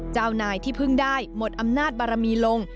เจ้านายที่เพิ่งได้หมดอำนาจบารมีลง